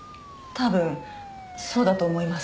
たぶんそうだと思います